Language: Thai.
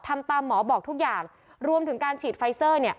ทำตามหมอบอกทุกอย่างรวมถึงการฉีดไฟเซอร์เนี่ย